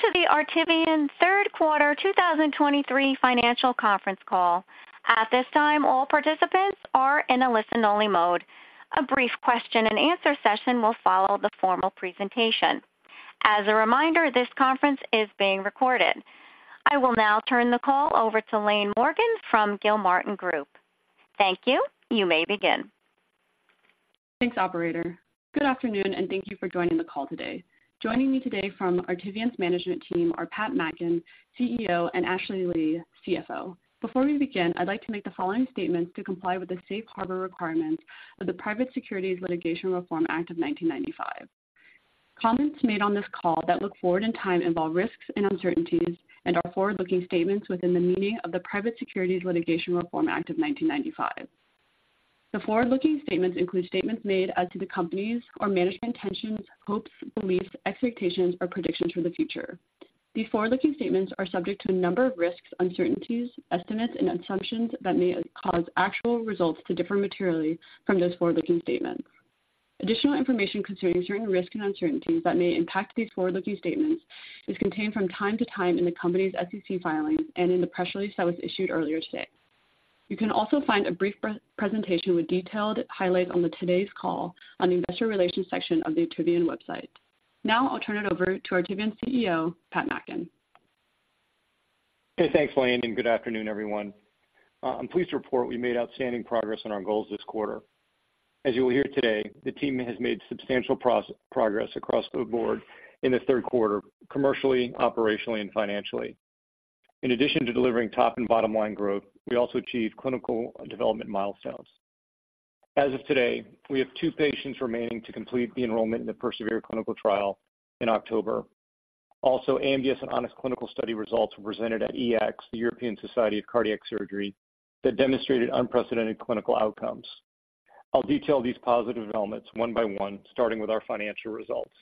Welcome to the Artivion third quarter 2023 financial conference call. At this time, all participants are in a listen-only mode. A brief question-and-answer session will follow the formal presentation. As a reminder, this conference is being recorded. I will now turn the call over to Laine Morgan from Gilmartin Group. Thank you. You may begin. Thanks, operator. Good afternoon, and thank you for joining the call today. Joining me today from Artivion's management team are Pat Mackin, CEO, and Ashley Lee, CFO. Before we begin, I'd like to make the following statements to comply with the safe harbor requirements of the Private Securities Litigation Reform Act of 1995. Comments made on this call that look forward in time involve risks and uncertainties and are forward-looking statements within the meaning of the Private Securities Litigation Reform Act of 1995. The forward-looking statements include statements made as to the company's or management's intentions, hopes, beliefs, expectations, or predictions for the future. These forward-looking statements are subject to a number of risks, uncertainties, estimates, and assumptions that may cause actual results to differ materially from those forward-looking statements. Additional information concerning certain risks and uncertainties that may impact these forward-looking statements is contained from time to time in the company's SEC filings and in the press release that was issued earlier today. You can also find a brief pre-presentation with detailed highlights on today's call on the investor relations section of the Artivion website. Now I'll turn it over to Artivion's CEO, Pat Mackin. Hey, thanks, Laine, and good afternoon, everyone. I'm pleased to report we made outstanding progress on our goals this quarter. As you will hear today, the team has made substantial progress across the board in the third quarter, commercially, operationally, and financially. In addition to delivering top and bottom line growth, we also achieved clinical development milestones. As of today, we have two patients remaining to complete the enrollment in the PERSEVERE clinical trial in October. Also, AMDS and On-X clinical study results were presented at EACTS, the European Association for Cardio-Thoracic Surgery, that demonstrated unprecedented clinical outcomes. I'll detail these positive developments one by one, starting with our financial results.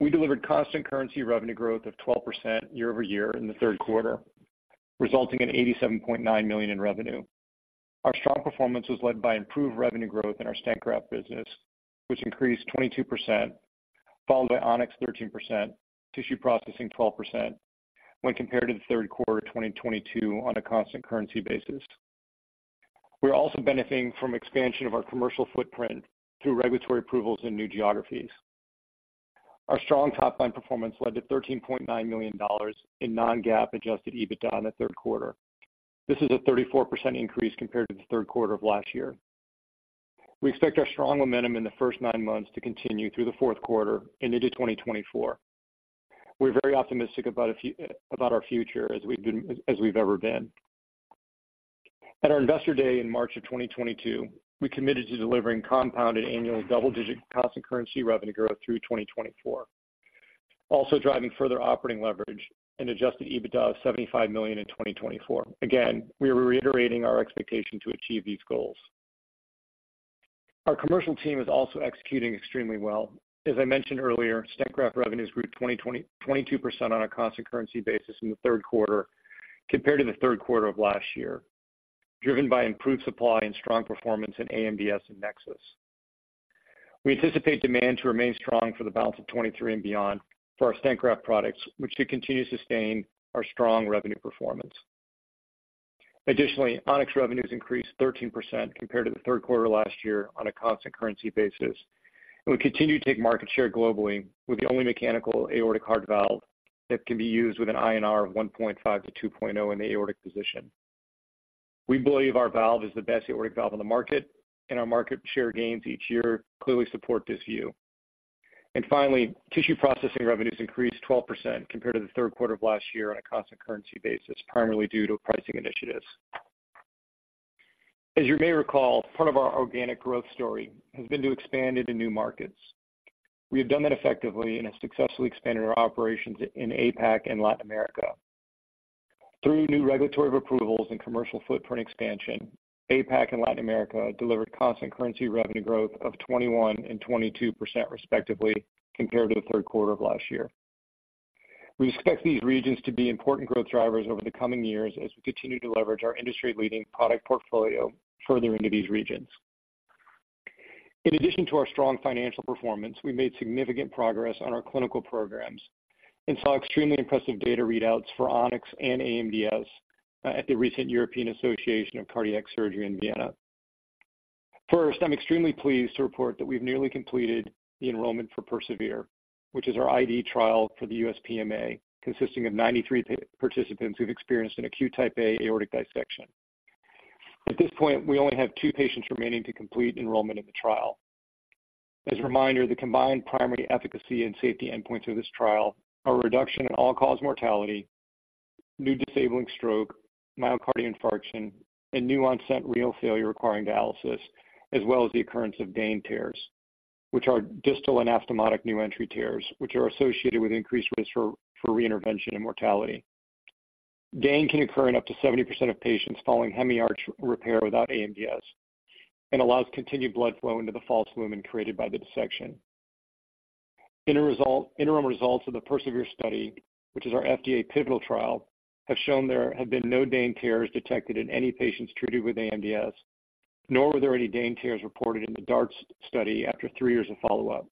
We delivered Constant Currency revenue growth of 12% year-over-year in the third quarter, resulting in $87.9 million in revenue. Our strong performance was led by improved revenue growth in our stent graft business, which increased 22%, followed by On-X, 13%, tissue processing, 12% when compared to the third quarter of 2022 on a constant currency basis. We're also benefiting from expansion of our commercial footprint through regulatory approvals in new geographies. Our strong top-line performance led to $13.9 million in non-GAAP Adjusted EBITDA in the third quarter. This is a 34% increase compared to the third quarter of last year. We expect our strong momentum in the first nine months to continue through the fourth quarter and into 2024. We're very optimistic about our future, as we've been, as we've ever been. At our Investor Day in March of 2022, we committed to delivering compounded annual double-digit constant currency revenue growth through 2024, also driving further operating leverage and adjusted EBITDA of $75 million in 2024. Again, we are reiterating our expectation to achieve these goals. Our commercial team is also executing extremely well. As I mentioned earlier, stent graft revenues grew 22% on a constant currency basis in the third quarter compared to the third quarter of last year, driven by improved supply and strong performance in AMDS and NEXUS. We anticipate demand to remain strong for the balance of 2023 and beyond for our stent graft products, which should continue to sustain our strong revenue performance. Additionally, On-X revenues increased 13% compared to the third quarter last year on a constant currency basis, and we continue to take market share globally with the only mechanical aortic heart valve that can be used with an INR of 1.5-2.0 in the aortic position. We believe our valve is the best aortic valve on the market, and our market share gains each year clearly support this view. And finally, tissue processing revenues increased 12% compared to the third quarter of last year on a constant currency basis, primarily due to pricing initiatives. As you may recall, part of our organic growth story has been to expand into new markets. We have done that effectively and have successfully expanded our operations in APAC and Latin America. Through new regulatory approvals and commercial footprint expansion, APAC and Latin America delivered constant currency revenue growth of 21% and 22%, respectively, compared to the third quarter of last year. We expect these regions to be important growth drivers over the coming years as we continue to leverage our industry-leading product portfolio further into these regions. In addition to our strong financial performance, we made significant progress on our clinical programs and saw extremely impressive data readouts for On-X and AMDS at the recent European Association for Cardio-Thoracic Surgery in Vienna. First, I'm extremely pleased to report that we've nearly completed the enrollment for PERSEVERE, which is our IDE trial for the U.S. PMA, consisting of 93 participants who've experienced an acute Type A aortic dissection. At this point, we only have two patients remaining to complete enrollment in the trial. As a reminder, the combined primary efficacy and safety endpoints of this trial are a reduction in all-cause mortality, new disabling stroke, myocardial infarction, and new-onset renal failure requiring dialysis, as well as the occurrence of DANE tears, which are distal anastomotic new entry tears, which are associated with increased risk for reintervention and mortality. DANE can occur in up to 70% of patients following Hemiarch repair without AMDS and allows continued blood flow into the false lumen created by the dissection. Interim results of the PERSEVERE study, which is our FDA pivotal trial, have shown there have been no DANE tears detected in any patients treated with AMDS nor were there any DANE tears reported in the DART study after three years of follow-up.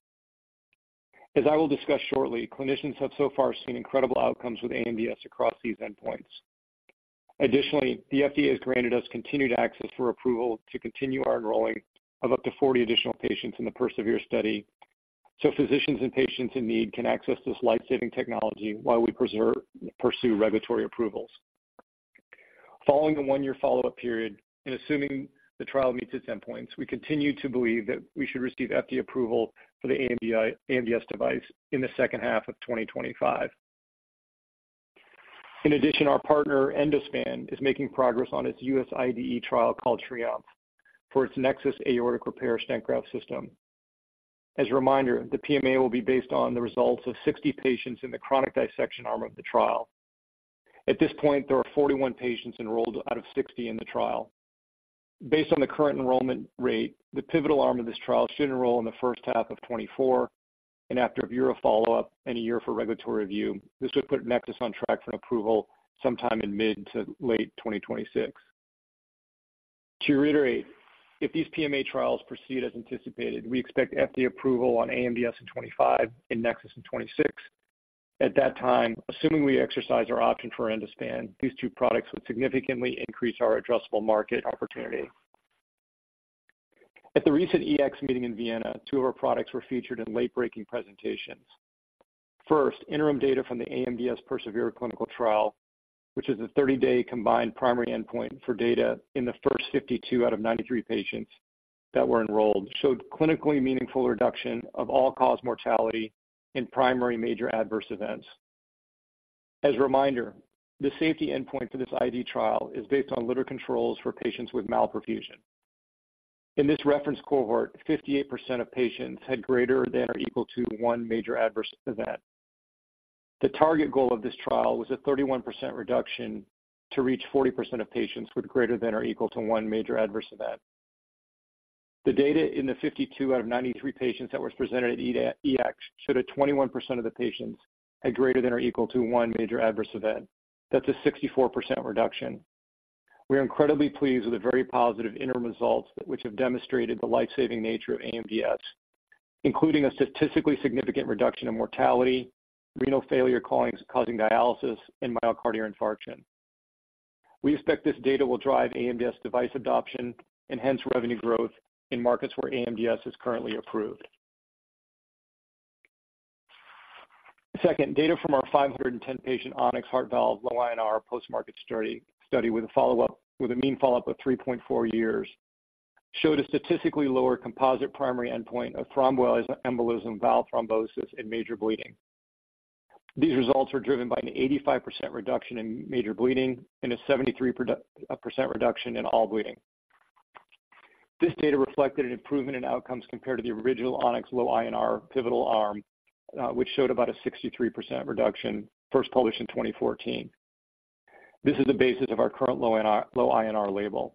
As I will discuss shortly, clinicians have so far seen incredible outcomes with AMDS across these endpoints. Additionally, the FDA has granted us continued access for approval to continue our enrolling of up to 40 additional patients in the PERSEVERE study, so physicians and patients in need can access this life-saving technology while we preserve, pursue regulatory approvals. Following the one-year follow-up period, and assuming the trial meets its endpoints, we continue to believe that we should receive FDA approval for the AMDS device in the second half of 2025. In addition, our partner, Endospan, is making progress on its US IDE trial, called TRIOMPHE, for its NEXUS aortic repair stent graft system. As a reminder, the PMA will be based on the results of 60 patients in the chronic dissection arm of the trial. At this point, there are 41 patients enrolled out of 60 in the trial. Based on the current enrollment rate, the pivotal arm of this trial should enroll in the first half of 2024, and after a year of follow-up and a year for regulatory review, this would put NEXUS on track for an approval sometime in mid- to late 2026. To reiterate, if these PMA trials proceed as anticipated, we expect FDA approval on AMDS in 2025 and NEXUS in 2026. At that time, assuming we exercise our option for Endospan, these two products would significantly increase our addressable market opportunity. At the recent EACTS meeting in Vienna, two of our products were featured in late-breaking presentations. First, interim data from the AMDS PERSEVERE clinical trial, which is a 30-day combined primary endpoint for data in the first 52 out of 93 patients that were enrolled, showed clinically meaningful reduction of all-cause mortality in primary major adverse events. As a reminder, the safety endpoint for this IDE trial is based on literature controls for patients with malperfusion. In this reference cohort, 58% of patients had greater than or equal to one major adverse event. The target goal of this trial was a 31% reduction to reach 40% of patients with greater than or equal to one major adverse event. The data in the 52 out of 93 patients that was presented at EACTS showed that 21% of the patients had greater than or equal to one major adverse event. That's a 64% reduction. We are incredibly pleased with the very positive interim results, which have demonstrated the life-saving nature of AMDS, including a statistically significant reduction in mortality, renal failure causing dialysis, and myocardial infarction. We expect this data will drive AMDS device adoption and hence revenue growth in markets where AMDS is currently approved. Second, data from our 510-patient ON-X heart valve low INR post-market study with a follow-up, with a mean follow-up of 3.4 years, showed a statistically lower composite primary endpoint of thromboembolism, valve thrombosis, and major bleeding. These results were driven by an 85% reduction in major bleeding and a 73% reduction in all bleeding. This data reflected an improvement in outcomes compared to the original ON-X low INR pivotal arm, which showed about a 63% reduction, first published in 2014. This is the basis of our current low INR, low INR label.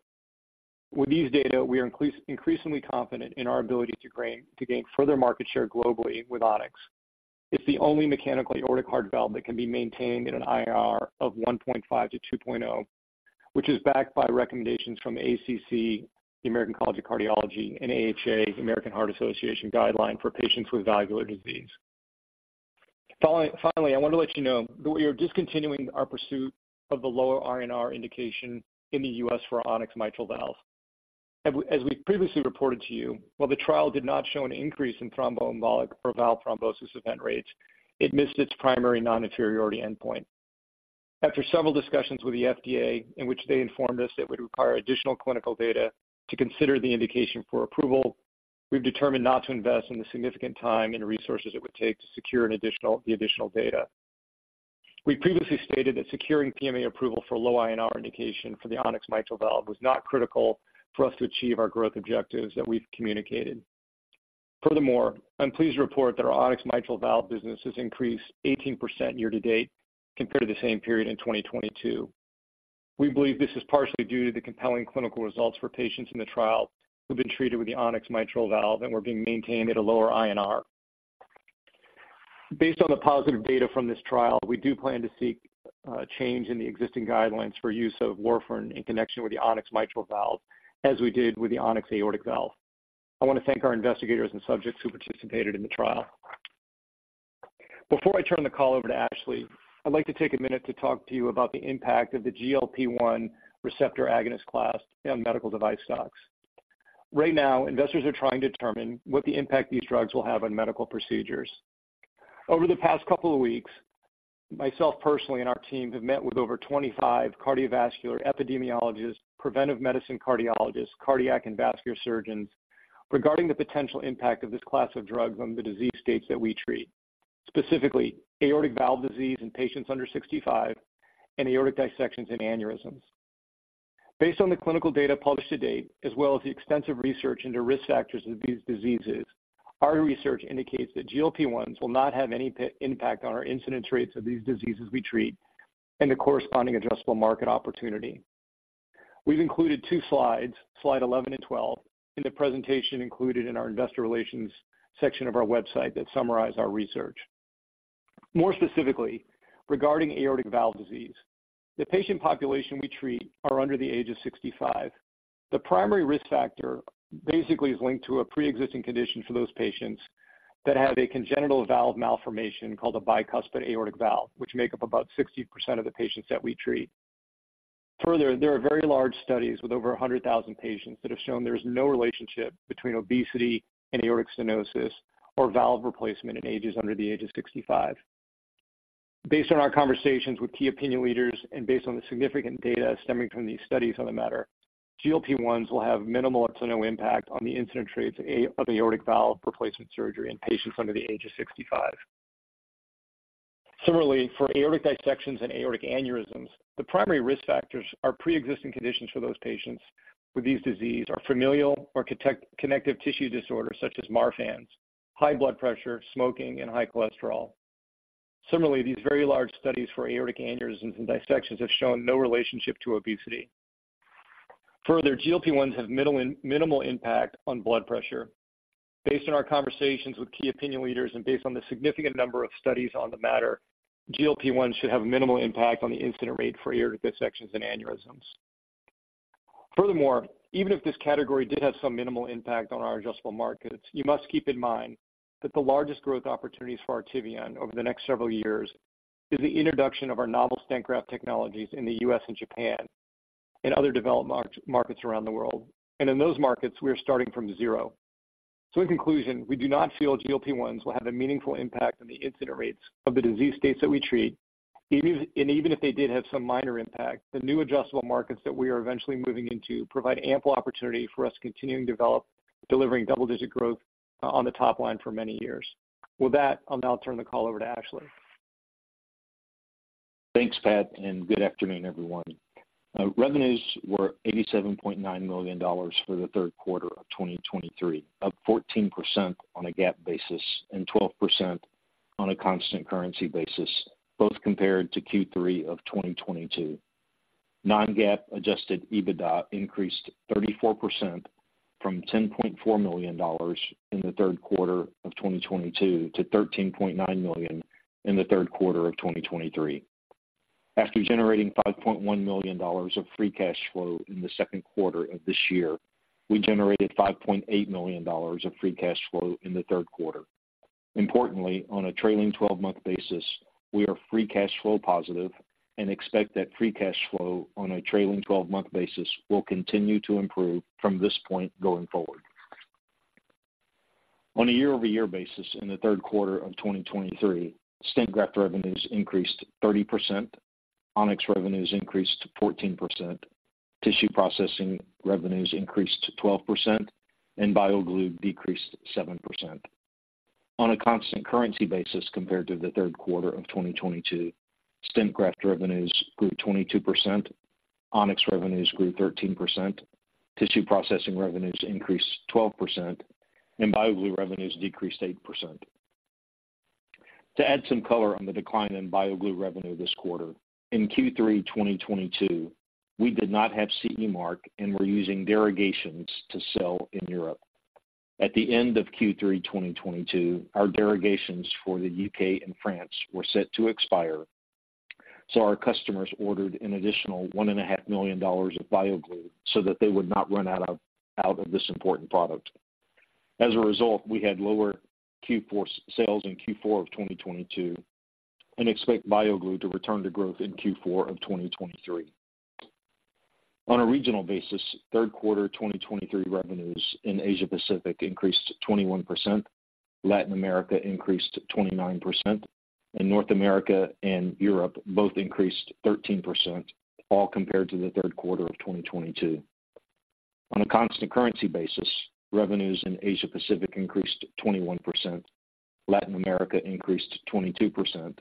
With these data, we are increasingly confident in our ability to gain further market share globally with ON-X. It's the only mechanical aortic heart valve that can be maintained in an INR of 1.5-2.0, which is backed by recommendations from ACC, the American College of Cardiology, and AHA, the American Heart Association guideline for patients with valvular disease. Finally, I want to let you know that we are discontinuing our pursuit of the lower INR indication in the U.S. for On-X Mitral Heart Valve. As we previously reported to you, while the trial did not show an increase in thromboembolic or valve thrombosis event rates, it missed its primary non-inferiority endpoint. After several discussions with the FDA, in which they informed us it would require additional clinical data to consider the indication for approval, we've determined not to invest in the significant time and resources it would take to secure the additional data. We previously stated that securing PMA approval for low INR indication for the On-X mitral valve was not critical for us to achieve our growth objectives that we've communicated. Furthermore, I'm pleased to report that our On-X mitral valve business has increased 18% year to date compared to the same period in 2022. We believe this is partially due to the compelling clinical results for patients in the trial who've been treated with the On-X mitral valve and were being maintained at a lower INR. Based on the positive data from this trial, we do plan to seek a change in the existing guidelines for use of Warfarin in connection with the On-X mitral valve, as we did with the On-X aortic valve. I want to thank our investigators and subjects who participated in the trial. Before I turn the call over to Ashley, I'd like to take a minute to talk to you about the impact of the GLP-1 receptor agonist class on medical device stocks. Right now, investors are trying to determine what the impact these drugs will have on medical procedures. Over the past couple of weeks, myself, personally, and our team have met with over 25 cardiovascular epidemiologists, preventive medicine cardiologists, cardiac and vascular surgeons regarding the potential impact of this class of drugs on the disease states that we treat, specifically aortic valve disease in patients under 65 and aortic dissections and aneurysms. Based on the clinical data published to date, as well as the extensive research into risk factors of these diseases, our research indicates that GLP-1s will not have any impact on our incidence rates of these diseases we treat and the corresponding addressable market opportunity. We've included two slides, slide 11 and 12, in the presentation included in our investor relations section of our website that summarize our research... More specifically, regarding aortic valve disease, the patient population we treat are under the age of 65. The primary risk factor basically is linked to a preexisting condition for those patients that have a congenital valve malformation called a bicuspid aortic valve, which make up about 60% of the patients that we treat. Further, there are very large studies with over 100,000 patients that have shown there is no relationship between obesity and aortic stenosis or valve replacement in ages under the age of 65. Based on our conversations with key opinion leaders and based on the significant data stemming from these studies on the matter, GLP-1s will have minimal up to no impact on the incidence rates of aortic valve replacement surgery in patients under the age of 65. Similarly, for aortic dissections and aortic aneurysms, the primary risk factors are preexisting conditions for those patients with these diseases are familial or connective tissue disorders such as Marfan's, high blood pressure, smoking, and high cholesterol. Similarly, these very large studies for aortic aneurysms and dissections have shown no relationship to obesity. Further, GLP-1s have minimal, minimal impact on blood pressure. Based on our conversations with key opinion leaders and based on the significant number of studies on the matter, GLP-1s should have minimal impact on the incidence rate for aortic dissections and aneurysms. Furthermore, even if this category did have some minimal impact on our addressable markets, you must keep in mind that the largest growth opportunities for Artivion over the next several years is the introduction of our novel stent graft technologies in the U.S. and Japan and other developed markets around the world. And in those markets, we are starting from zero. So in conclusion, we do not feel GLP-1s will have a meaningful impact on the incidence rates of the disease states that we treat. Even if, and even if they did have some minor impact, the new addressable markets that we are eventually moving into provide ample opportunity for us to continuing to develop, delivering double-digit growth on the top line for many years. With that, I'll now turn the call over to Ashley. Thanks, Pat, and good afternoon, everyone. Revenues were $87.9 million for the third quarter of 2023, up 14% on a GAAP basis and 12% on a constant currency basis, both compared to Q3 of 2022. Non-GAAP Adjusted EBITDA increased 34% from $10.4 million in the third quarter of 2022 to $13.9 million in the third quarter of 2023. After generating $5.1 million of free cash flow in the second quarter of this year, we generated $5.8 million of free cash flow in the third quarter. Importantly, on a trailing twelve-month basis, we are free cash flow positive and expect that free cash flow on a trailing twelve-month basis will continue to improve from this point going forward. On a year-over-year basis in the third quarter of 2023, stent graft revenues increased 30%, On-X revenues increased 14%, tissue processing revenues increased 12%, and BioGlue decreased 7%. On a constant currency basis compared to the third quarter of 2022, stent graft revenues grew 22%, On-X revenues grew 13%, tissue processing revenues increased 12%, and BioGlue revenues decreased 8%. To add some color on the decline in BioGlue revenue this quarter, in Q3 2022, we did not have CE Mark and were using derogations to sell in Europe. At the end of Q3 2022, our derogations for the U.K. and France were set to expire, so our customers ordered an additional $1.5 million of BioGlue so that they would not run out of this important product. As a result, we had lower Q4 sales in Q4 of 2022 and expect BioGlue to return to growth in Q4 of 2023. On a regional basis, third quarter 2023 revenues in Asia Pacific increased 21%, Latin America increased 29%, and North America and Europe both increased 13%, all compared to the third quarter of 2022. On a Constant Currency basis, revenues in Asia Pacific increased 21%, Latin America increased 22%,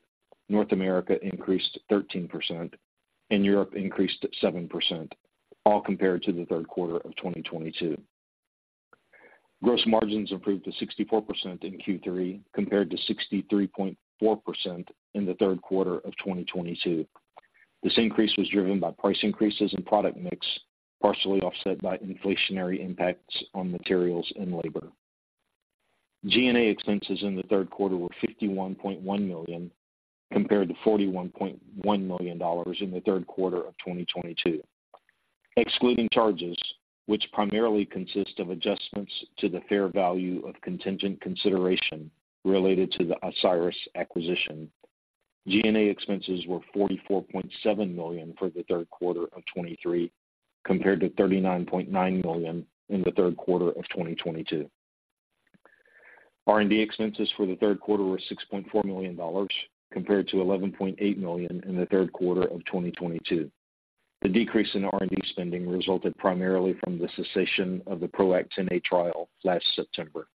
North America increased 13%, and Europe increased 7%, all compared to the third quarter of 2022. Gross margins improved to 64% in Q3, compared to 63.4% in the third quarter of 2022. This increase was driven by price increases and product mix, partially offset by inflationary impacts on materials and labor. G&A expenses in the third quarter were $51.1 million, compared to $41.1 million in the third quarter of 2022. Excluding charges, which primarily consist of adjustments to the fair value of contingent consideration related to the Ascyrus acquisition, G&A expenses were $44.7 million for the third quarter of 2023, compared to $39.9 million in the third quarter of 2022. R&D expenses for the third quarter were $6.4 million, compared to $11.8 million in the third quarter of 2022. The decrease in R&D spending resulted primarily from the cessation of the PROACT Xa trial last September.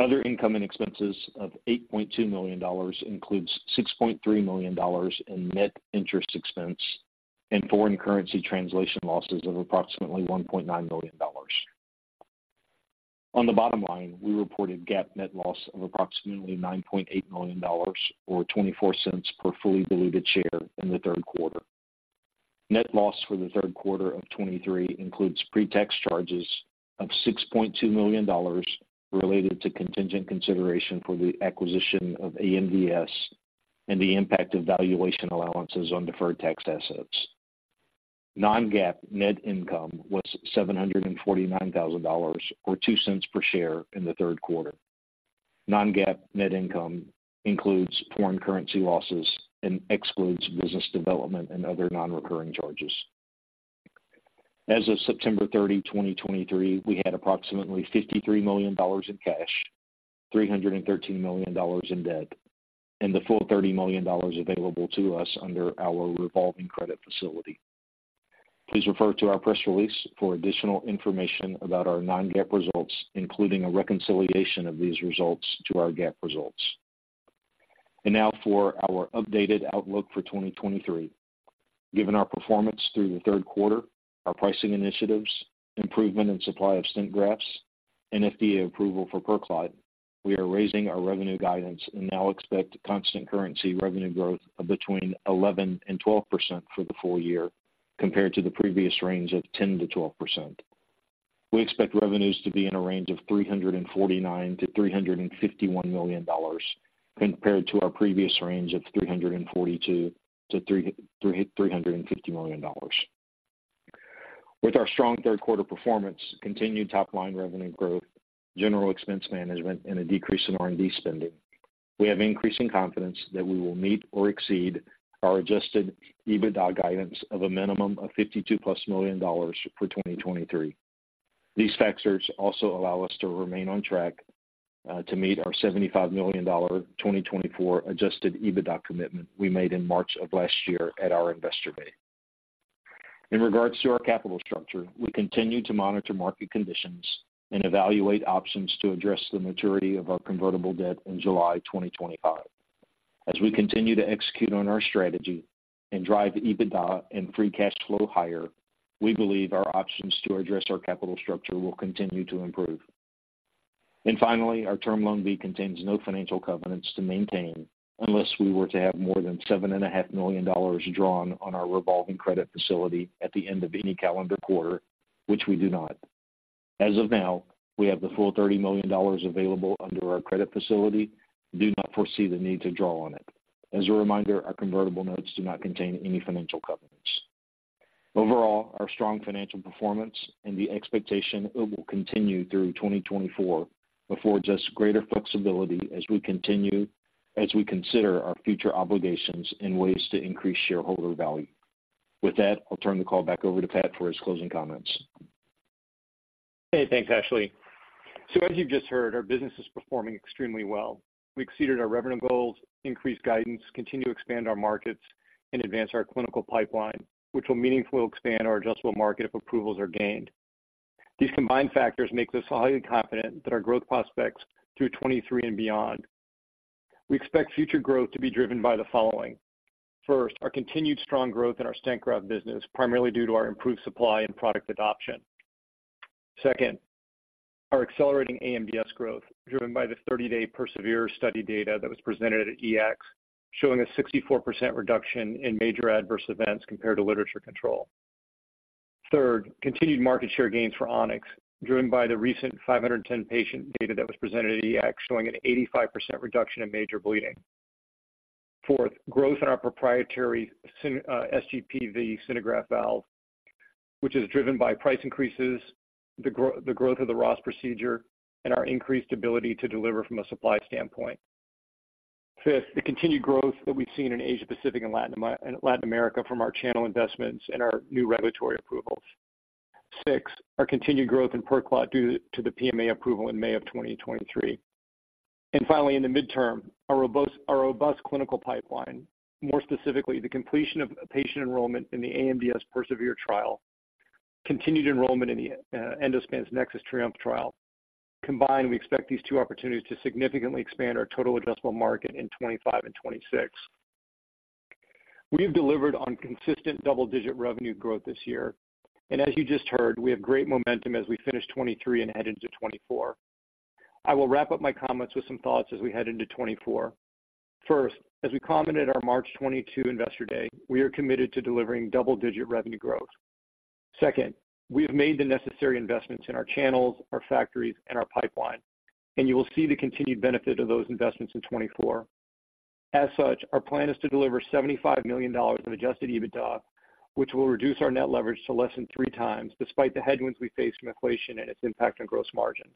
Other income and expenses of $8.2 million includes $6.3 million in net interest expense and foreign currency translation losses of approximately $1.9 million. On the bottom line, we reported GAAP net loss of approximately $9.8 million or $0.24 per fully diluted share in the third quarter. Net loss for the third quarter of 2023 includes pretax charges of $6.2 million related to contingent consideration for the acquisition of AMDS and the impact of valuation allowances on deferred tax assets. Non-GAAP net income was $749,000, or $0.02 per share in the third quarter. Non-GAAP net income includes foreign currency losses and excludes business development and other non-recurring charges. As of September 30, 2023, we had approximately $53 million in cash, $313 million in debt, and the full $30 million available to us under our revolving credit facility. Please refer to our press release for additional information about our non-GAAP results, including a reconciliation of these results to our GAAP results. Now for our updated outlook for 2023. Given our performance through the third quarter, our pricing initiatives, improvement in supply of stent grafts, and FDA approval for PerClot, we are raising our revenue guidance and now expect constant currency revenue growth of between 11% and 12% for the full year, compared to the previous range of 10%-12%. We expect revenues to be in a range of $349 million-$351 million, compared to our previous range of $342 million-$350 million. With our strong third quarter performance, continued top-line revenue growth, general expense management, and a decrease in R&D spending, we have increasing confidence that we will meet or exceed our Adjusted EBITDA guidance of a minimum of $52+ million for 2023. These factors also allow us to remain on track to meet our $75 million 2024 Adjusted EBITDA commitment we made in March of last year at our Investor Day. In regards to our capital structure, we continue to monitor market conditions and evaluate options to address the maturity of our convertible debt in July 2025. As we continue to execute on our strategy and drive EBITDA and free cash flow higher, we believe our options to address our capital structure will continue to improve. Finally, our term loan B contains no financial covenants to maintain unless we were to have more than $7.5 million drawn on our revolving credit facility at the end of any calendar quarter, which we do not. As of now, we have the full $30 million available under our credit facility and do not foresee the need to draw on it. As a reminder, our convertible notes do not contain any financial covenants. Overall, our strong financial performance and the expectation it will continue through 2024 affords us greater flexibility as we consider our future obligations and ways to increase shareholder value. With that, I'll turn the call back over to Pat for his closing comments. Hey, thanks, Ashley. So as you've just heard, our business is performing extremely well. We exceeded our revenue goals, increased guidance, continue to expand our markets, and advance our clinical pipeline, which will meaningfully expand our adjustable market if approvals are gained. These combined factors make us highly confident that our growth prospects through 2023 and beyond. We expect future growth to be driven by the following. First, our continued strong growth in our stent graft business, primarily due to our improved supply and product adoption. Second, our accelerating AMDS growth, driven by the 30-day PERSEVERE study data that was presented at EACTS, showing a 64% reduction in major adverse events compared to literature control. Third, continued market share gains for On-X, driven by the recent 510-patient data that was presented at EACTS, showing an 85% reduction in major bleeding. Fourth, growth in our proprietary SGPV SynerGraft valve, which is driven by price increases, the growth of the Ross procedure, and our increased ability to deliver from a supply standpoint. Fifth, the continued growth that we've seen in Asia Pacific and Latin America from our channel investments and our new regulatory approvals. Sixth, our continued growth in PerClot due to the PMA approval in May of 2023. And finally, in the midterm, our robust clinical pipeline, more specifically, the completion of patient enrollment in the AMDS PERSEVERE trial, continued enrollment in Endospan's NEXUS TRIOMPHE trial. Combined, we expect these two opportunities to significantly expand our total addressable market in 2025 and 2026. We have delivered on consistent double-digit revenue growth this year, and as you just heard, we have great momentum as we finish 2023 and head into 2024. I will wrap up my comments with some thoughts as we head into 2024. First, as we commented at our March 2022 Investor Day, we are committed to delivering double-digit revenue growth. Second, we have made the necessary investments in our channels, our factories, and our pipeline, and you will see the continued benefit of those investments in 2024. As such, our plan is to deliver $75 million in Adjusted EBITDA, which will reduce our net leverage to less than 3x, despite the headwinds we face from inflation and its impact on gross margins.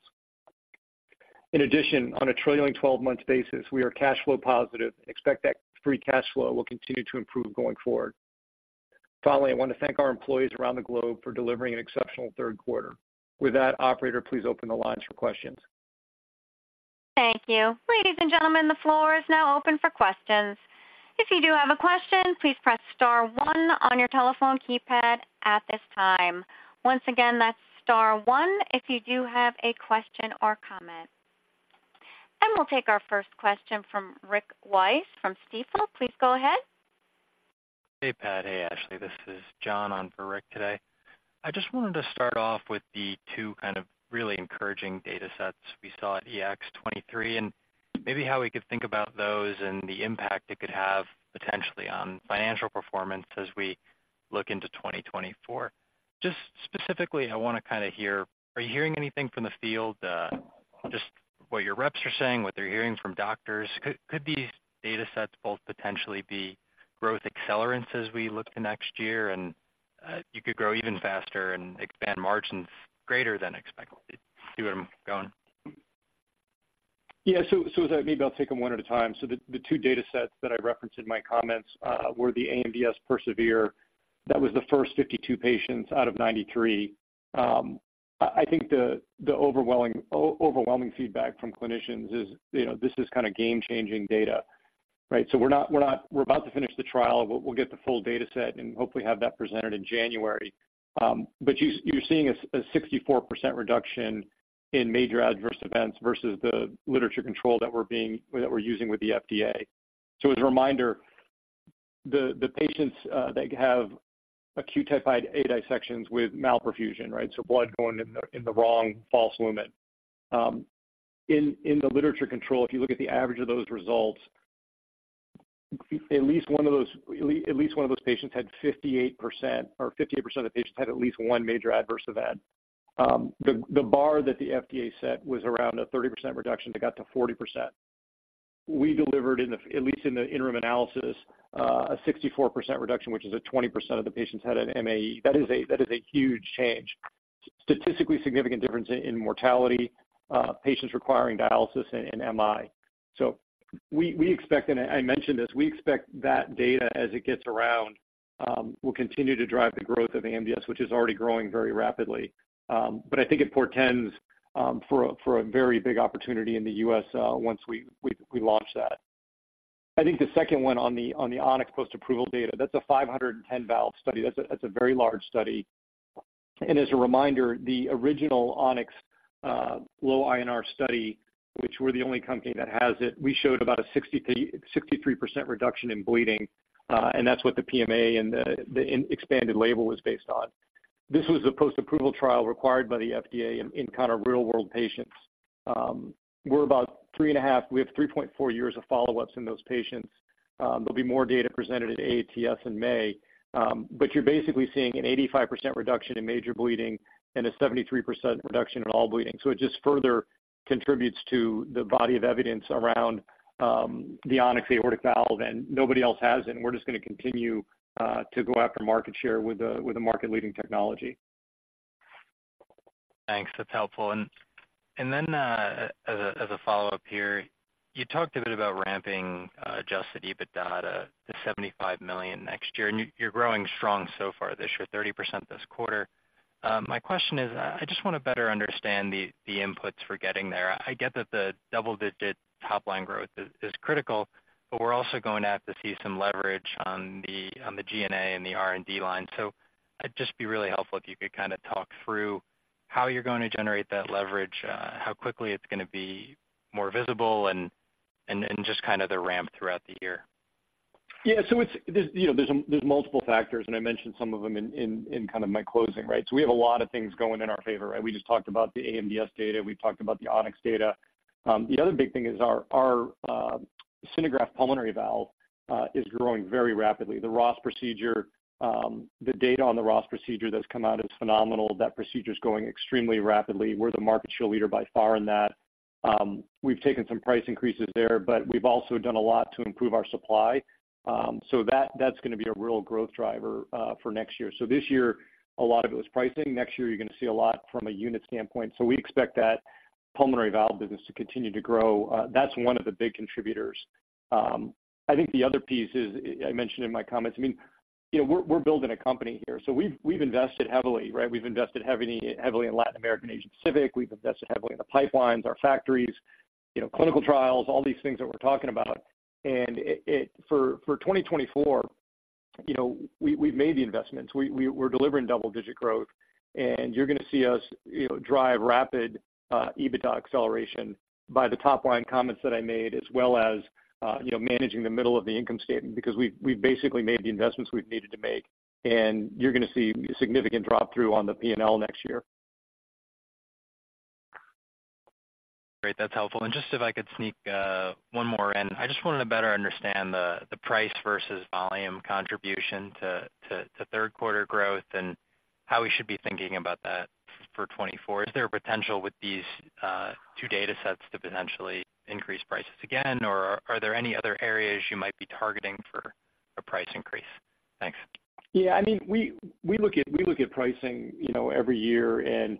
In addition, on a trailing 12-month basis, we are cash flow positive and expect that free cash flow will continue to improve going forward. Finally, I want to thank our employees around the globe for delivering an exceptional third quarter. With that, operator, please open the lines for questions. Thank you. Ladies and gentlemen, the floor is now open for questions. If you do have a question, please press star one on your telephone keypad at this time. Once again, that's star one if you do have a question or comment. We'll take our first question from Rick Wise from Stifel. Please go ahead. Hey, Pat. Hey, Ashley. This is John on for Rick today. I just wanted to start off with the two kind of really encouraging data sets we saw at EACTS 2023, and maybe how we could think about those and the impact it could have potentially on financial performance as we look into 2024. Just specifically, I want to kind of hear, are you hearing anything from the field, just what your reps are saying, what they're hearing from doctors? Could these data sets both potentially be growth accelerants as we look to next year, and you could grow even faster and expand margins greater than expected? See where I'm going? Yeah. So maybe I'll take them one at a time. So the two data sets that I referenced in my comments were the AMDS PERSEVERE. That was the first 52 patients out of 93. I think the overwhelming feedback from clinicians is, you know, this is kind of game-changing data, right? So we're about to finish the trial, but we'll get the full data set and hopefully have that presented in January. But you're seeing a 64% reduction in major adverse events versus the literature control that we're using with the FDA. So as a reminder, the patients that have acute type A dissections with malperfusion, right? So blood going in the wrong false lumen. In the literature control, if you look at the average of those results, at least one of those patients had 58%, or 58% of the patients had at least one major adverse event. The bar that the FDA set was around a 30% reduction, it got to 40%. We delivered, at least in the interim analysis, a 64% reduction, which is 20% of the patients had an MAE. That is a huge change. Statistically significant difference in mortality, patients requiring dialysis and MI. So we expect, and I mentioned this, we expect that data as it gets around, will continue to drive the growth of AMDS, which is already growing very rapidly. But I think it portends for a very big opportunity in the U.S. once we launch that. I think the second one on the On-X post-approval data, that's a 510 valve study. That's a very large study. And as a reminder, the original On-X low INR study, which we're the only company that has it, we showed about a 63% reduction in bleeding, and that's what the PMA and the expanded label was based on. This was a post-approval trial required by the FDA in kind of real-world patients. We're about three and a half, we have 3.4 years of follow-ups in those patients. There'll be more data presented at AATS in May, but you're basically seeing an 85% reduction in major bleeding and a 73% reduction in all bleeding. So it just further contributes to the body of evidence around the On-X aortic valve, and nobody else has it. And we're just going to continue to go after market share with a market-leading technology. Thanks. That's helpful. And then, as a follow-up here, you talked a bit about ramping Adjusted EBITDA to $75 million next year, and you're growing strong so far this year, 30% this quarter. My question is, I just want to better understand the inputs for getting there. I get that the double-digit top-line growth is critical, but we're also going to have to see some leverage on the SG&A and the R&D line. So it'd just be really helpful if you could kind of talk through how you're going to generate that leverage, how quickly it's going to be more visible, and just kind of the ramp throughout the year. Yeah. So it's... There's, you know, there's multiple factors, and I mentioned some of them in kind of my closing, right? So we have a lot of things going in our favor, right? We just talked about the AMDS data, we talked about the On-X data. The other big thing is our SynerGraft pulmonary valve is growing very rapidly. The Ross procedure, the data on the Ross procedure that's come out is phenomenal. That procedure is going extremely rapidly. We're the market share leader by far in that. We've taken some price increases there, but we've also done a lot to improve our supply. So that's going to be a real growth driver for next year. So this year, a lot of it was pricing. Next year, you're going to see a lot from a unit standpoint. So we expect that pulmonary valve business to continue to grow. That's one of the big contributors. I think the other piece is, I mentioned in my comments, I mean, you know, we're, we're building a company here, so we've, we've invested heavily, right? We've invested heavily, heavily in Latin America and Asia Pacific. We've invested heavily in the pipelines, our factories, you know, clinical trials, all these things that we're talking about. And it for 2024, you know, we, we've made the investments. We're delivering double-digit growth, and you're going to see us, you know, drive rapid EBITDA acceleration by the top line comments that I made, as well as, you know, managing the middle of the income statement, because we've basically made the investments we've needed to make, and you're going to see significant drop through on the P&L next year. Great. That's helpful. And just if I could sneak one more in. I just wanted to better understand the price versus volume contribution to third quarter growth and how we should be thinking about that for 2024. Is there a potential with these two data sets to potentially increase prices again, or are there any other areas you might be targeting for a price increase? Thanks. Yeah, I mean, we look at pricing, you know, every year, and,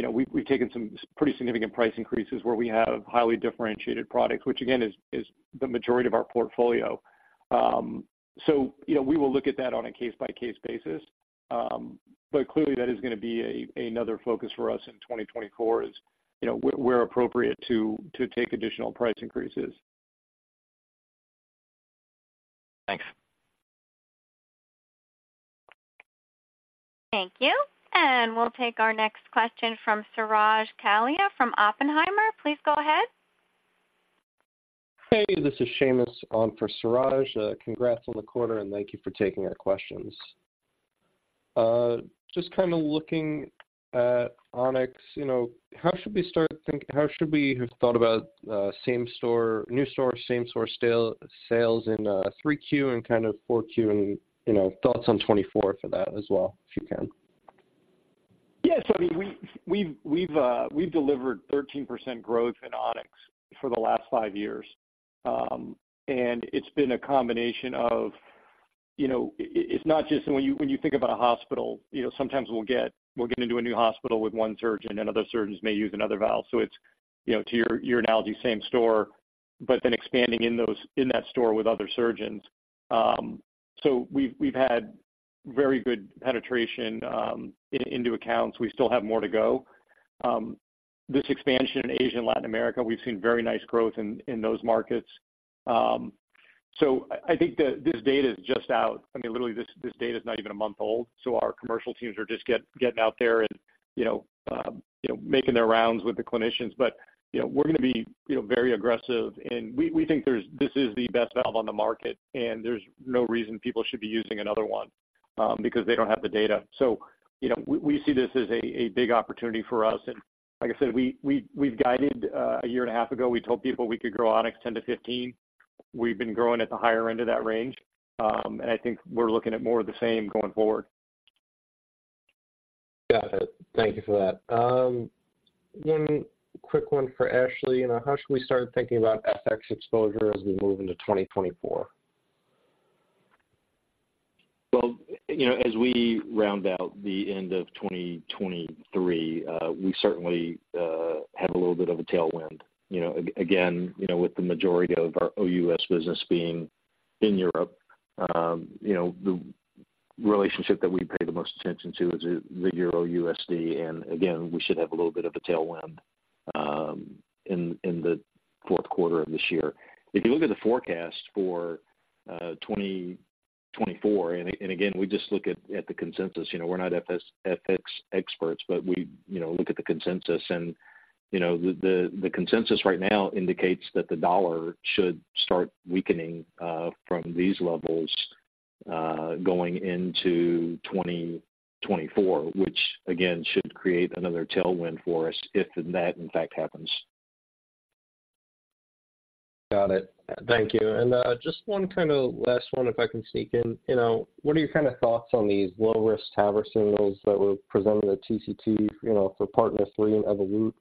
you know, we've taken some pretty significant price increases where we have highly differentiated products, which again, is the majority of our portfolio. So you know, we will look at that on a case-by-case basis. But clearly, that is going to be another focus for us in 2024, you know, where appropriate to take additional price increases. Thanks. Thank you. We'll take our next question from Suraj Kalia from Oppenheimer. Please go ahead.... Hey, this is Seamus on for Suraj. Congrats on the quarter, and thank you for taking our questions. Just kind of looking at On-X, you know, how should we have thought about same store, new store, same store sales in 3Q and kind of 4Q? And, you know, thoughts on 2024 for that as well, if you can. Yes. I mean, we've delivered 13% growth in On-X for the last five years. And it's been a combination of, you know, it's not just when you think about a hospital, you know, sometimes we'll get, we'll get into a new hospital with one surgeon, and other surgeons may use another valve. So it's, you know, to your analogy, same store, but then expanding in those, in that store with other surgeons. So we've had very good penetration into accounts. We still have more to go. This expansion in Asia and Latin America, we've seen very nice growth in those markets. So I think that this data is just out. I mean, literally, this data is not even a month old, so our commercial teams are just getting out there and, you know, you know, making their rounds with the clinicians. But, you know, we're going to be, you know, very aggressive, and we think there's—this is the best valve on the market, and there's no reason people should be using another one, because they don't have the data. So, you know, we see this as a big opportunity for us. And like I said, we've guided a year and a half ago. We told people we could grow On-X 10-15. We've been growing at the higher end of that range, and I think we're looking at more of the same going forward. Got it. Thank you for that. One quick one for Ashley. You know, how should we start thinking about FX exposure as we move into 2024? Well, you know, as we round out the end of 2023, we certainly have a little bit of a tailwind. You know, again, you know, with the majority of our OUS business being in Europe, you know, the relationship that we pay the most attention to is the euro USD. And again, we should have a little bit of a tailwind in the fourth quarter of this year. If you look at the forecast for 2024, and again, we just look at the consensus. You know, we're not FX experts, but we, you know, look at the consensus, and, you know, the consensus right now indicates that the dollar should start weakening from these levels going into 2024, which again, should create another tailwind for us if that, in fact, happens. Got it. Thank you. And, just one kind of last one, if I can sneak in. You know, what are your kind of thoughts on these low-risk TAVR signals that were presented at TCT, you know, for Partners III and EVOLUT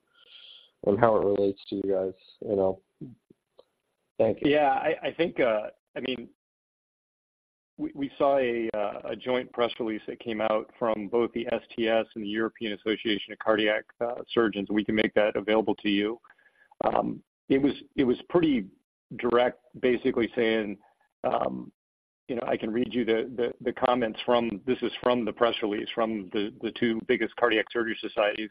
and how it relates to you guys, you know? Thank you. Yeah, I think, I mean, we saw a joint press release that came out from both the STS and the European Association for Cardio-Thoracic Surgery. We can make that available to you. It was pretty direct, basically saying, you know, I can read you the comments from... This is from the press release from the two biggest cardiac surgery societies.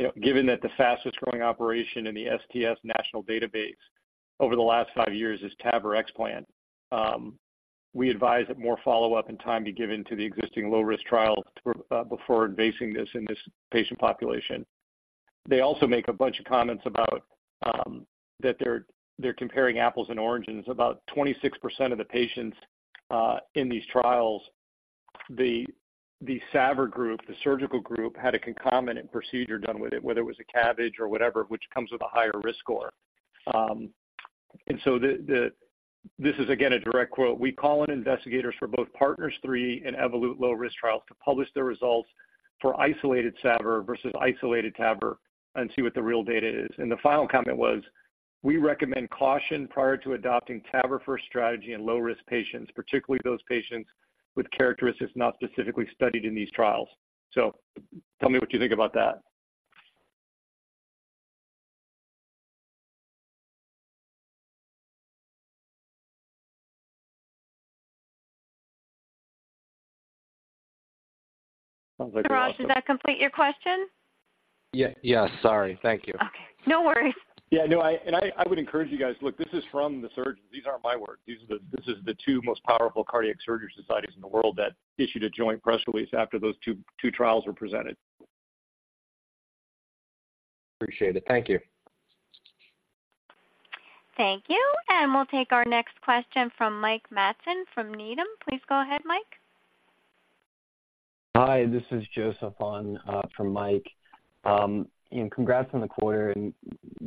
You know, "Given that the fastest growing operation in the STS national database over the last five years is TAVR explant, we advise that more follow-up and time be given to the existing low-risk trial before advancing this in this patient population." They also make a bunch of comments about that they're comparing apples and oranges. About 26% of the patients in these trials, the SAVR group, the surgical group, had a concomitant procedure done with it, whether it was a CABG or whatever, which comes with a higher risk score. And so this is, again, a direct quote: "We call on investigators for both Partners III and EVOLUT low-risk trials to publish their results for isolated SAVR versus isolated TAVR and see what the real data is." And the final comment was: "We recommend caution prior to adopting TAVR first strategy in low-risk patients, particularly those patients with characteristics not specifically studied in these trials." So tell me what you think about that. Sounds like- Suraj, does that complete your question? Yeah. Yes. Sorry. Thank you. Okay, no worries. Yeah, no, I would encourage you guys. Look, this is from the surgeons. These aren't my words. These are the two most powerful cardiac surgery societies in the world that issued a joint press release after those two trials were presented. Appreciate it. Thank you. Thank you, and we'll take our next question from Mike Matson from Needham. Please go ahead, Mike. Hi, this is Joseph on for Mike. And congrats on the quarter, and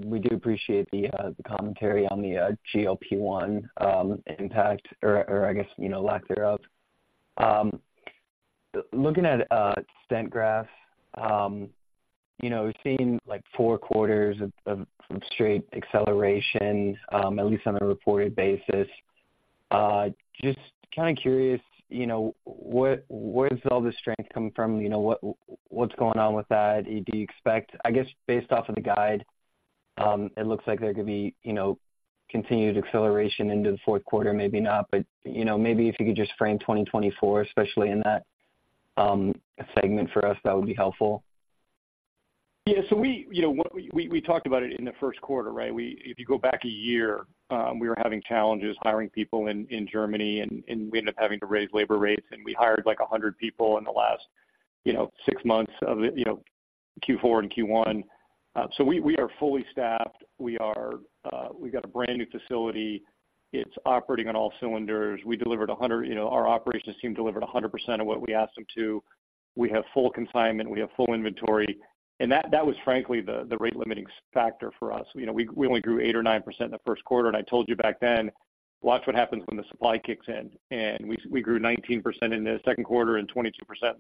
we do appreciate the commentary on the GLP-1 impact, or I guess, you know, lack thereof. Looking at stent graft, you know, seeing, like, four quarters of straight acceleration, at least on a reported basis, just kind of curious, you know, what, where does all the strength come from? You know, what, what's going on with that? Do you expect... I guess, based off of the guide, it looks like there could be, you know, continued acceleration into the fourth quarter, maybe not. But, you know, maybe if you could just frame 2024, especially in that segment for us, that would be helpful. Yeah. So we, you know, we talked about it in the first quarter, right? If you go back a year, we were having challenges hiring people in Germany and we ended up having to raise labor rates, and we hired, like, 100 people in the last, you know, six months of it, you know, Q4 and Q1. So we are fully staffed. We are, we've got a brand new facility. It's operating on all cylinders. Our operations team delivered 100% of what we asked them to. We have full consignment, we have full inventory, and that was frankly the rate limiting factor for us. You know, we only grew 8% or 9% in the first quarter, and I told you back then, watch what happens when the supply kicks in, and we grew 19% in the second quarter and 22% in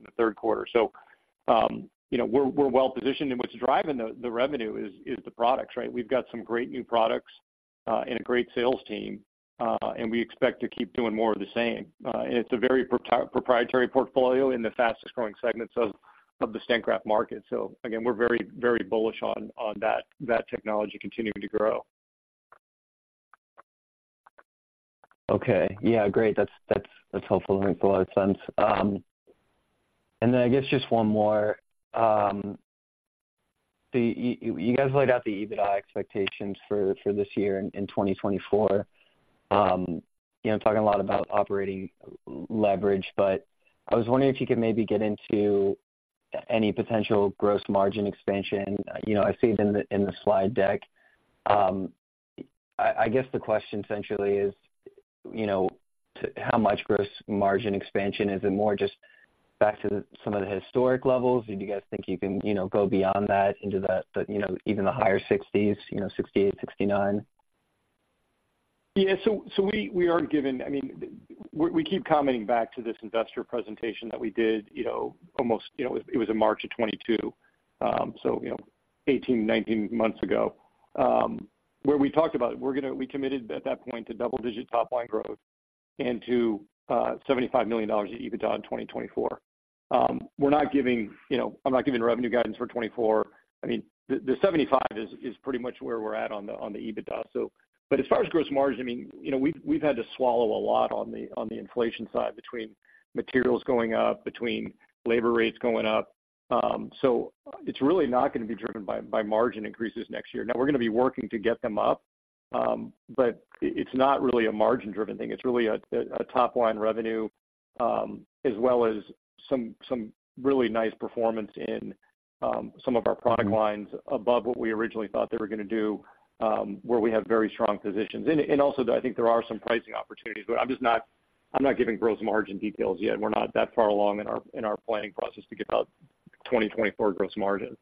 the third quarter. So, you know, we're well positioned, and what's driving the revenue is the products, right? We've got some great new products, and a great sales team, and we expect to keep doing more of the same. And it's a very proprietary portfolio in the fastest growing segments of the stent graft market. So again, we're very bullish on that technology continuing to grow. Okay. Yeah, great. That's helpful. That makes a lot of sense. And then I guess just one more. You guys laid out the EBITDA expectations for this year in 2024. You know, talking a lot about operating leverage, but I was wondering if you could maybe get into any potential gross margin expansion. You know, I see it in the slide deck. I guess the question essentially is, you know, to how much gross margin expansion? Is it more just back to some of the historic levels? Do you guys think you can, you know, go beyond that into the, you know, even the higher sixties, you know, 68, 69? Yeah, so we are given—I mean, we keep commenting back to this investor presentation that we did, you know, almost, you know, it was in March of 2022. So, you know, 18, 19 months ago, where we talked about we're gonna—we committed at that point to double digit top line growth and to $75 million in EBITDA in 2024. We're not giving, you know, I'm not giving revenue guidance for 2024. I mean, the 75 is pretty much where we're at on the EBITDA. So, but as far as gross margin, I mean, you know, we've had to swallow a lot on the inflation side between materials going up, between labor rates going up. So it's really not going to be driven by margin increases next year. Now we're going to be working to get them up, but it's not really a margin driven thing. It's really a top line revenue, as well as some really nice performance in some of our product lines above what we originally thought they were going to do, where we have very strong positions. And also I think there are some pricing opportunities, but I'm not giving gross margin details yet. We're not that far along in our planning process to give out 2024 gross margin.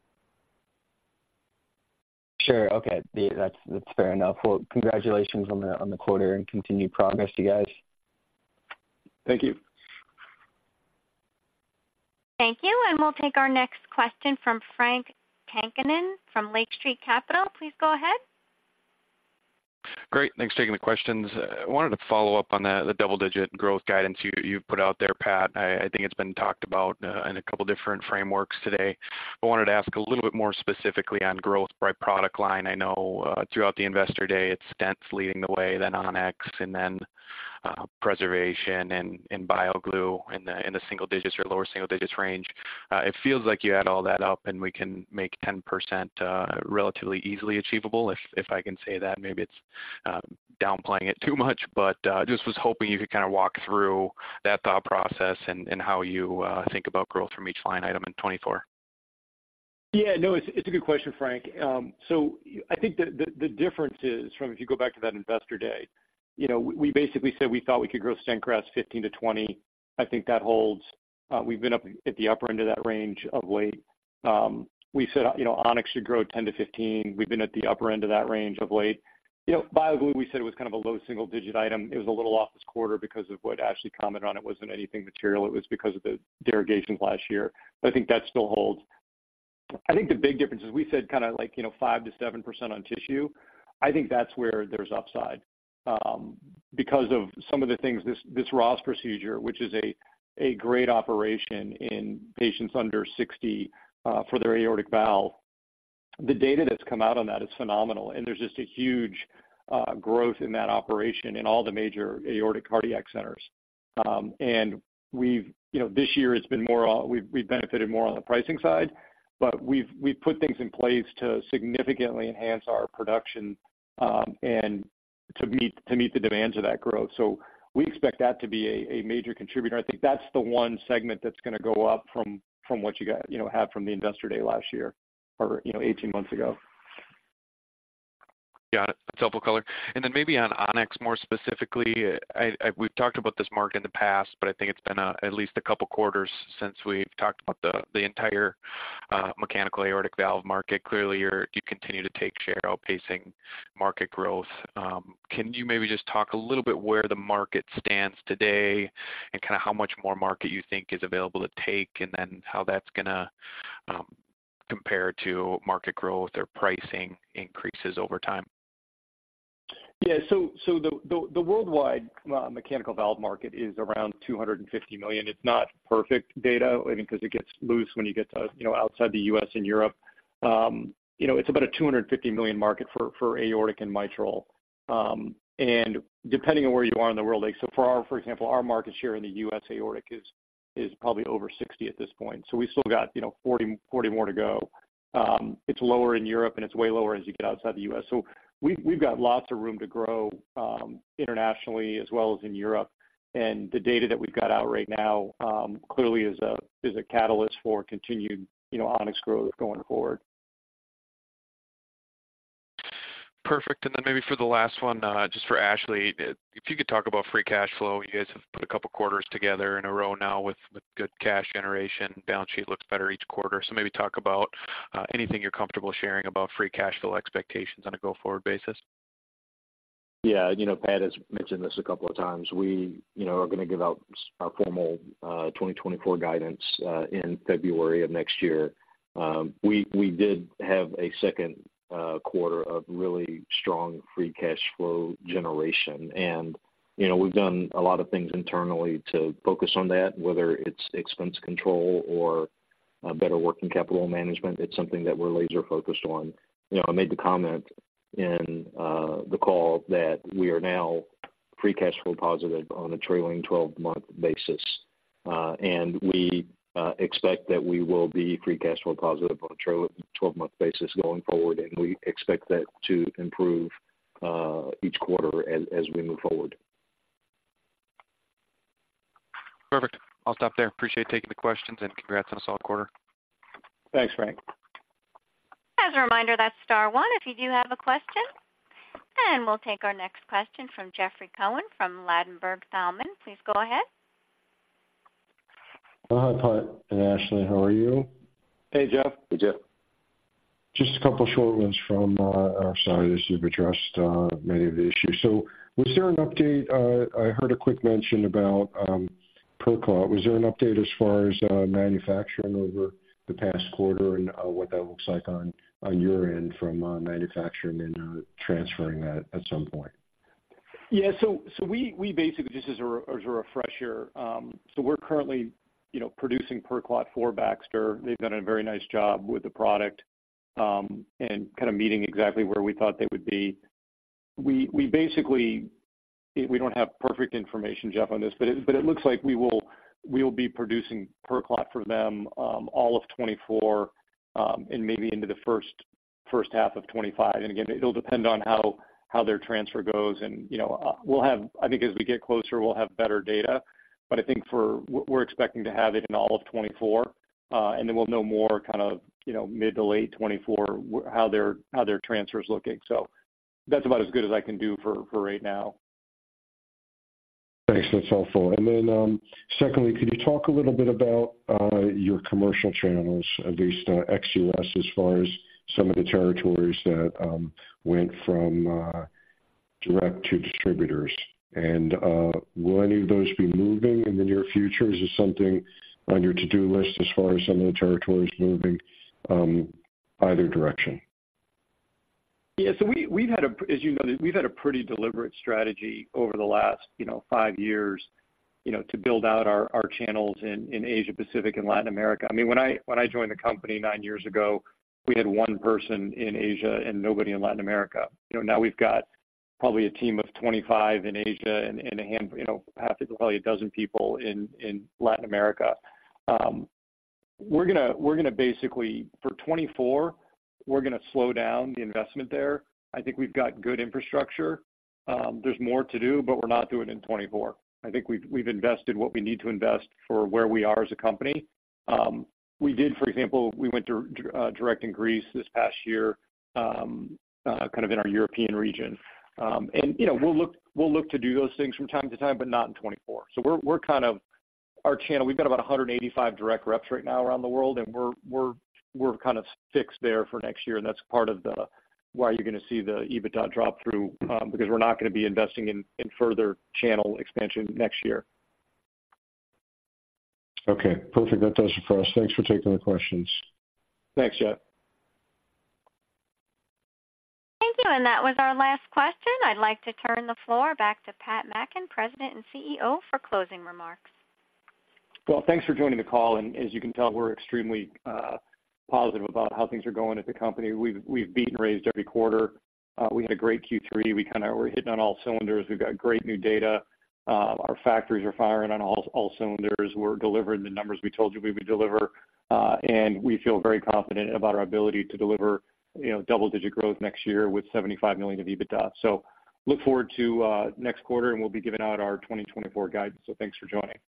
Sure. Okay. That's, that's fair enough. Well, congratulations on the, on the quarter and continued progress, you guys. Thank you. Thank you, and we'll take our next question from Frank Takkinen from Lake Street Capital Markets. Please go ahead. Great. Thanks for taking the questions. I wanted to follow up on the double digit growth guidance you put out there, Pat. I think it's been talked about in a couple different frameworks today. I wanted to ask a little bit more specifically on growth by product line. I know throughout the investor day, it's stents leading the way, then On-X, and then preservation and BioGlue in the single digits or lower single digits range. It feels like you add all that up, and we can make 10% relatively easily achievable, if I can say that. Maybe it's downplaying it too much, but just was hoping you could kind of walk through that thought process and how you think about growth from each line item in 2024. Yeah, no, it's a good question, Frank. So I think the difference is from if you go back to that investor day, you know, we basically said we thought we could grow stent grafts 15-20. I think that holds. We've been up at the upper end of that range of late. We said, you know, On-X should grow 10-15. We've been at the upper end of that range of late. You know, BioGlue, we said it was kind of a low single digit item. It was a little off this quarter because of what Ashley commented on. It wasn't anything material, it was because of the derogations last year. But I think that still holds. I think the big difference is we said kind of like, you know, 5%-7% on tissue. I think that's where there's upside, because of some of the things, this Ross Procedure, which is a great operation in patients under 60 for their aortic valve. The data that's come out on that is phenomenal, and there's just a huge growth in that operation in all the major aortic cardiac centers. And we've—you know, this year it's been more on the pricing side, but we've benefited more on the pricing side, but we've put things in place to significantly enhance our production, and to meet the demands of that growth. So we expect that to be a major contributor. I think that's the one segment that's going to go up from what you guys—you know—have from the Investor Day last year or, you know, 18 months ago. Got it. That's helpful color. And then maybe on On-X more specifically, we've talked about this market in the past, but I think it's been at least a couple quarters since we've talked about the entire mechanical aortic valve market. Clearly, you're—you continue to take share outpacing market growth. Can you maybe just talk a little bit where the market stands today and kind of how much more market you think is available to take, and then how that's gonna compare to market growth or pricing increases over time? Yeah. So the worldwide mechanical valve market is around $250 million. It's not perfect data, I mean, because it gets loose when you get to, you know, outside the U.S. and Europe. You know, it's about a $250 million market for aortic and mitral. And depending on where you are in the world, like, so for example, our market share in the U.S. aortic is probably over 60% at this point, so we still got, you know, 40% more to go. It's lower in Europe, and it's way lower as you get outside the U.S. So we've got lots of room to grow internationally as well as in Europe. The data that we've got out right now clearly is a catalyst for continued, you know, On-X growth going forward. ... Perfect. Then maybe for the last one, just for Ashley, if you could talk about free cash flow. You guys have put a couple quarters together in a row now with, with good cash generation. Balance sheet looks better each quarter. So maybe talk about anything you're comfortable sharing about free cash flow expectations on a go-forward basis. Yeah, you know, Pat has mentioned this a couple of times. We, you know, are going to give out our formal 2024 guidance in February of next year. We did have a second quarter of really strong free cash flow generation. You know, we've done a lot of things internally to focus on that, whether it's expense control or better working capital management; it's something that we're laser-focused on. You know, I made the comment in the call that we are now free cash flow positive on a trailing twelve-month basis. And we expect that we will be free cash flow positive on a trailing twelve-month basis going forward, and we expect that to improve each quarter as we move forward. Perfect. I'll stop there. Appreciate taking the questions, and congrats on a solid quarter. Thanks, Frank. As a reminder, that's star one if you do have a question. We'll take our next question from Jeffrey Cohen from Ladenburg Thalmann. Please go ahead. Hi, Pat and Ashley. How are you? Hey, Jeff. Hey, Jeff. Just a couple of short ones from our side, as you've addressed many of the issues. So was there an update? I heard a quick mention about PerClot. Was there an update as far as manufacturing over the past quarter and what that looks like on your end from manufacturing and transferring that at some point? Yeah, so we basically, just as a refresher, so we're currently, you know, producing PerClot for Baxter. They've done a very nice job with the product, and kind of meeting exactly where we thought they would be. We basically don't have perfect information, Jeff, on this, but it looks like we will be producing PerClot for them, all of 2024, and maybe into the first half of 2025. And again, it'll depend on how their transfer goes. And, you know, we'll have -- I think as we get closer, we'll have better data. But I think for -- we're expecting to have it in all of 2024, and then we'll know more kind of, you know, mid- to late 2024, how their transfer is looking. That's about as good as I can do for, for right now. Thanks. That's helpful. And then, secondly, could you talk a little bit about your commercial channels, at least, ex-U.S., as far as some of the territories that went from direct to distributors? And, will any of those be moving in the near future? Is this something on your to-do list as far as some of the territories moving, either direction? Yeah, so as you know, we've had a pretty deliberate strategy over the last, you know, five years, you know, to build out our, our channels in, in Asia Pacific and Latin America. I mean, when I joined the company nine years ago, we had 1 person in Asia and nobody in Latin America. You know, now we've got probably a team of 25 in Asia and, and you know, probably 12 people in, in Latin America. We're gonna, we're gonna basically, for 2024, we're gonna slow down the investment there. I think we've got good infrastructure. There's more to do, but we're not doing it in 2024. I think we've, we've invested what we need to invest for where we are as a company. We did, for example, we went direct in Greece this past year, kind of in our European region. You know, we'll look to do those things from time to time, but not in 2024. So we're kind of fixed with our channel. We've got about 185 direct reps right now around the world, and we're kind of fixed there for next year, and that's part of the why you're going to see the EBITDA drop through, because we're not going to be investing in further channel expansion next year. Okay, perfect. That does it for us. Thanks for taking the questions. Thanks, Jeff. Thank you, and that was our last question. I'd like to turn the floor back to Pat Mackin, President and CEO, for closing remarks. Well, thanks for joining the call, and as you can tell, we're extremely positive about how things are going at the company. We've beat and raised every quarter. We had a great Q3. We kinda -- we're hitting on all cylinders. We've got great new data. Our factories are firing on all cylinders. We're delivering the numbers we told you we would deliver, and we feel very confident about our ability to deliver, you know, double-digit growth next year with $75 million of EBITDA. So look forward to next quarter, and we'll be giving out our 2024 guidance. So thanks for joining.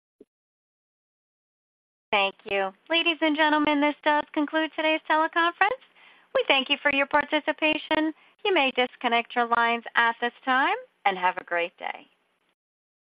Thank you. Ladies and gentlemen, this does conclude today's teleconference. We thank you for your participation. You may disconnect your lines at this time, and have a great day.